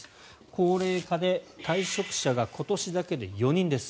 高齢化で退職者が今年だけで４人です。